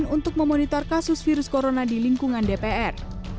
untuk memonitor kasus virus corona di lingkungan dpr